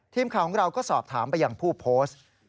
ทีมข่าวของเราก็สอบถามไปยังผู้โพสต์